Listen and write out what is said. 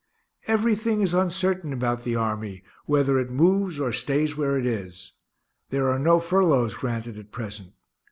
Everything is uncertain about the army, whether it moves or stays where it is. There are no furloughs granted at present.